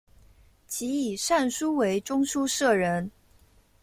其以善书为中书舍人。